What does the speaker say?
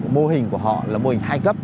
mô hình của họ là mô hình hai cấp